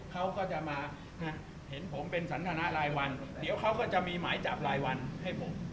เขาก็จะมาเห็นผมเป็นสันทนารายวันเดี๋ยวเขาก็จะมีหมายจับรายวันให้ผม